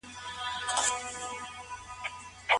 د مېوو استعمال د بدن دفاعي سیستم قوي کوي.